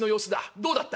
どうだった？」。